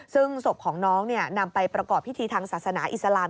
ซึ่งศพของน้องนำไปประกอบพิธีทางศาสนาอิสลาม